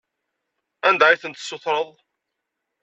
Anda ay tent-tessutreḍ?